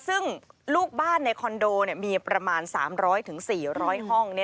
ซึ่งลูกบ้านในคอนโดมีประมาณ๓๐๐๔๐๐ห้อง